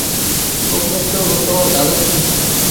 অফিসে আজ কোনো গুরুত্বপূর্ণ কাজ আছে?